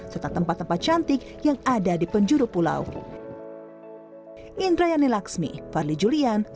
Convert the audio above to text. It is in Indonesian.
serta tempat tempat cantik yang ada di penjuru pulau